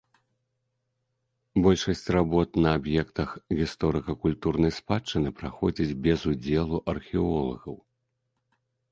Большасць работ на аб'ектах гісторыка-культурнай спадчыны праходзяць без удзелу археолагаў.